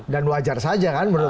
dan wajar saja kan